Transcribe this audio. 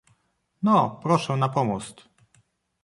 "No, proszę na pomost!"